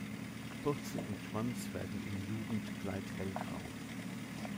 Bürzel und Schwanz werden im Jugendkleid hellgrau.